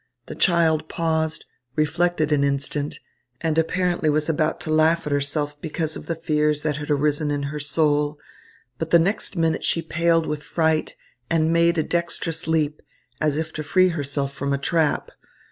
The child paused, reflected an instant, and apparently was about to laugh at herself because of the fears that had arisen in her soul; but the next minute she paled with fright, and made a dexterous leap, as if to free herself from a trap.